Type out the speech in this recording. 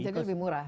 jadi lebih murah